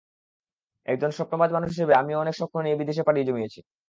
একজন স্বপ্নবাজ মানুষ হিসেবে আমিও অনেক স্বপ্ন নিয়ে বিদেশে পাড়ি জমিয়েছি।